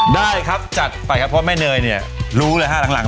ได้ครับจัดไปครับเพราะแม่เนยเนี่ยรู้เลยฮะหลัง